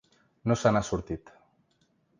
No se n’ha sortit.